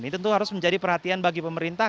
ini tentu harus menjadi perhatian bagi pemerintah